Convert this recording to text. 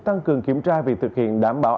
tăng cường kiểm tra việc thực hiện đảm bảo